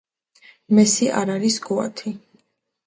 მესი არ არის გოათი